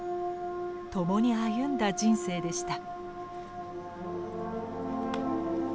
共に歩んだ人生でした。